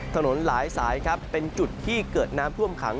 ถนนหลายสายครับเป็นจุดที่เกิดน้ำท่วมขัง